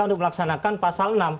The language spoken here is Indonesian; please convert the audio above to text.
untuk melaksanakan pasal enam